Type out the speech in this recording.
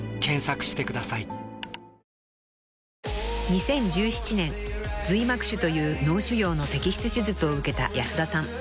［２０１７年髄膜腫という脳腫瘍の摘出手術を受けた安田さん］